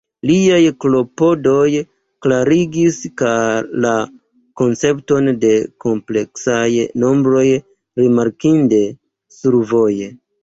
Liaj klopodoj klarigis la koncepton de kompleksaj nombroj rimarkinde survoje.